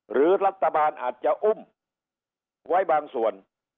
หรือรัฐบาลอาจจะอุ้มไว้บางส่วน